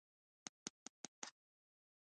چې هلته فرش چراغ ډوډۍ او اوبه نشته.